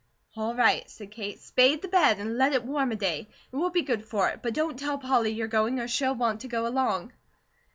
"All right," said Kate. "Spade the bed, and let it warm a day. It will be good for it. But don't tell Polly you're going, or she'll want to go along."